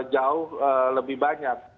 jauh lebih banyak